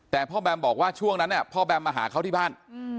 แต่พ่อแบมบอกว่าช่วงนั้นพ่อแบมมาหาเขาที่บ้าน